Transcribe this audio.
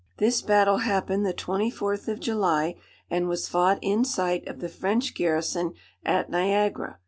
This battle happened the twenty fourth of July, and was fought in sight of the French garrison at Niagara.